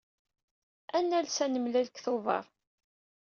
Ad nales ad nemlal deg tubeṛ.